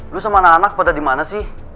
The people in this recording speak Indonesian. lo sama anak anak pada dimana sih